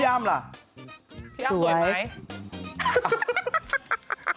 อ๋อหน้าแม่โบเหมือนเบเบ